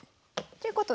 ということで。